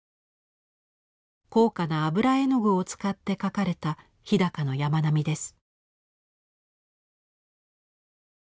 高価な油絵の具を使って描かれた日高の山並みです。